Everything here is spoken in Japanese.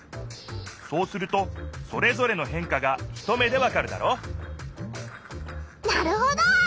そうするとそれぞれの変化が一目でわかるだろなるほど！